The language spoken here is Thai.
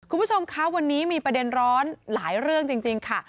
คุณผู้ชมคะวันนี้มีประเด็นร้อนหลายเรื่องจริงค่ะ